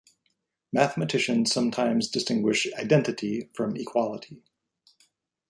Mathematicians sometimes distinguish identity from equality.